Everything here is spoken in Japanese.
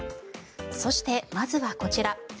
そして、まずはこちら。